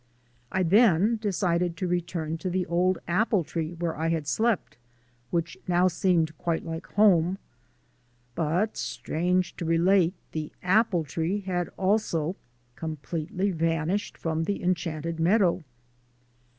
I then decided to return to the old apple tree where I had slept, which now seemed quite like home, but, strange to relate, the apple tree had also completely vanished from the enchanted meadow.